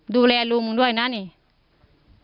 ดูแลลุงมึงด้วยนะนี่